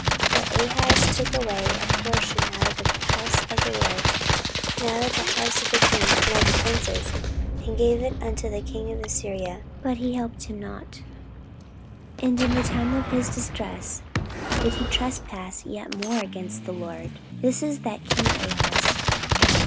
14:028:021 For Ahaz took away a portion out of the house of the LORD, and out of the house of the king, and of the princes, and gave it unto the king of Assyria: but he helped him not. 14:028:022 And in the time of his distress did he trespass yet more against the LORD: this is that king Ahaz.